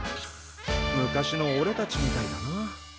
昔のおれたちみたいだな。